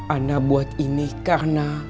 ana buat ini karena